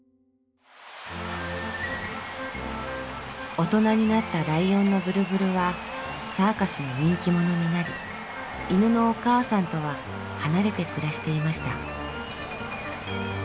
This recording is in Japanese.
大人になったライオンのブルブルはサーカスの人気者になり犬のお母さんとは離れて暮らしていました。